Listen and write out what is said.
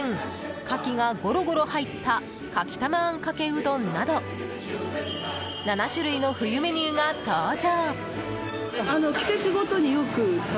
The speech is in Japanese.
カキがごろごろ入った牡蠣たまあんかけうどんなど７種類の冬メニューが登場。